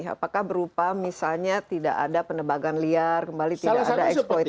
apakah berupa misalnya tidak ada penebakan liar kembali tidak ada eksploitasi